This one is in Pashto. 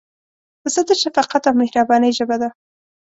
پسه د شفقت او مهربانۍ ژبه ده.